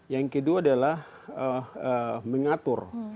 yang kedua adalah mengatur